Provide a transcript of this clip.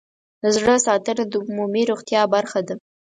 د زړه ساتنه د عمومي روغتیا برخه ده.